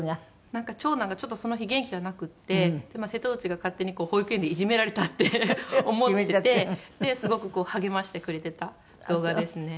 なんか長男がちょっとその日元気がなくって瀬戸内が勝手に保育園でいじめられたって思っててですごく励ましてくれてた動画ですね。